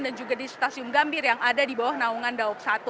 dan juga di stasiun gambir yang ada di bawah naungan daop satu